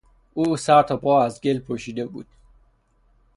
او سر تا پا از گل پوشیده بود.